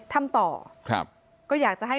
ทำต่อครับก็อยากจะให้